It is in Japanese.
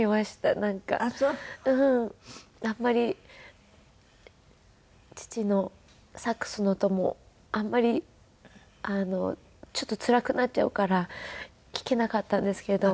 あんまり父のサックスの音もあんまりちょっとつらくなっちゃうから聴けなかったんですけど。